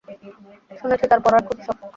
শুনেছি তার পড়ার খুব শখ।